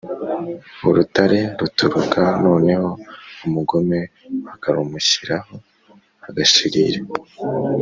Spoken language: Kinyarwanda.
urutare rutukura, noneho umugome bakarumushyiraho agashirira.